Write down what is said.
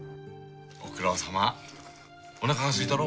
ご苦労さまおなかがすいたろ？